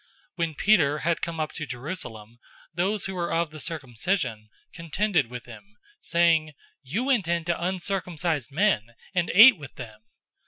011:002 When Peter had come up to Jerusalem, those who were of the circumcision contended with him, 011:003 saying, "You went in to uncircumcised men, and ate with them!"